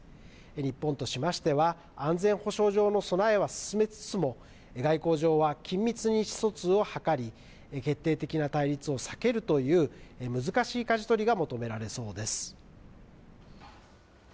日本としましては、安全保障上の備えは進めつつも、外交上は緊密に意思疎通を図り、決定的な対立を避けるという難しいかじ取りが求められそうです。